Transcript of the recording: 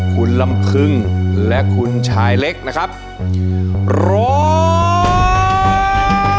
คุณลำพึงและคุณชายเล็กนะครับร้อง